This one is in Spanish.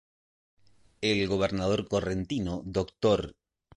El gobernador correntino Dr.